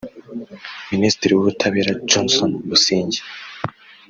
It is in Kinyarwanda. Minisitiri w’Ubutabera Johnston Busingye